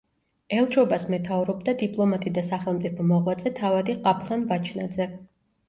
ელჩობას მეთაურობდა დიპლომატი და სახელმწიფო მოღვაწე თავადი ყაფლან ვაჩნაძე.